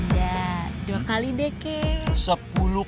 bisa lenda dua kali deh kakek